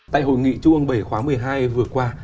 tại hội nghị chung âm bảy khóa một mươi hai vừa qua